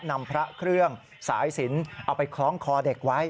นำพระเครื่องสายสินเอาไปคล้องคอเด็กไว้